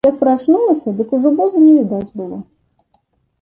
Як прачнулася, дык ужо воза не відаць было.